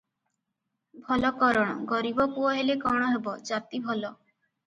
ଭଲ କରଣ, ଗରିବ ପୁଅ ହେଲେ କ’ଣ ହେବ, ଜାତି ଭଲ ।